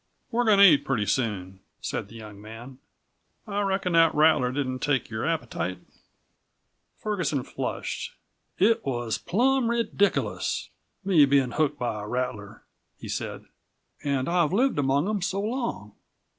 "We're goin' to eat pretty soon," said the young man. "I reckon that rattler didn't take your appetite?" Ferguson flushed. "It was plum rediculous, me bein' hooked by a rattler," he said. "An' I've lived among them so long."